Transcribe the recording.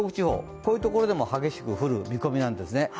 こういうところでも激しく降る見込みなんですね。